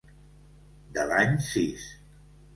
De l'any sis.